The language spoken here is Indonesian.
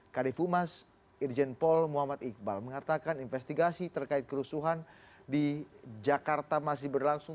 kd fumas irjen polisi muhammad iqbal mengatakan investigasi terkait kerusuhan di jakarta masih berlangsung